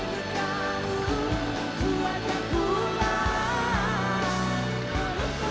kau tuliskan padaku